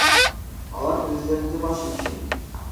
Алар президентке баш ийишет.